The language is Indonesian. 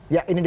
ya ini dia